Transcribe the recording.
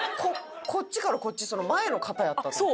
こっちからこっちその前の方やったって事？